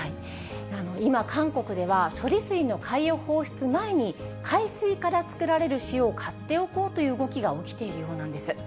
今、韓国では、処理水の海洋放出前に、海水から作られる塩を買っておこうという動きが起きているようなんです。